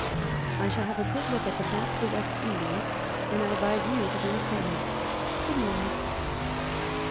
"I shall have a good look at a map of the West Indies, and I advise you to do the same. Good morning."